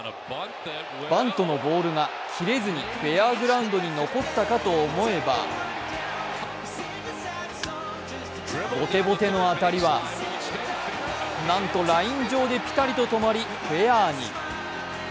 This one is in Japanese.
バントのボールが切れずにフェアグラウンドに残ったかと思えばボテボテの当たりは、なんとライン上でピタリと止まり、フェアに。